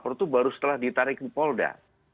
lapor itu baru setelah ditarik di polda